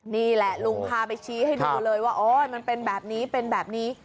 นี่แหละลุงพาไปชี้ให้ดูเลยว่าโอ๊ยมันเป็นแบบนี้เป็นแบบนี้